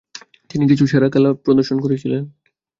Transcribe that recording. তিনি কিছু সেরা খেলা প্রদর্শন করেছিলেন।